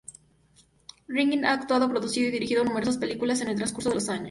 Rifkin ha actuado, producido y dirigido numerosas películas en el transcurso de los años.